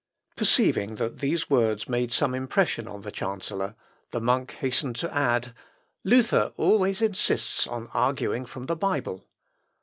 Perceiving that these words made some impression on the chancellor, the monk hastened to add "Luther always insists on arguing from the Bible.